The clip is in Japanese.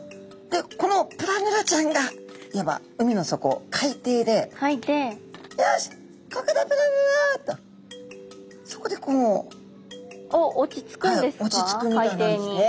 でこのプラヌラちゃんがいわば海の底海底で「よしここだプラヌラ」とそこでこう。おっ落ち着くんですか？